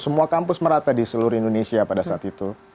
semua kampus merata di seluruh indonesia pada saat itu